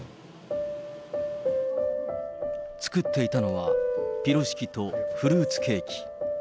作っていたのは、ピロシキとフルーツケーキ。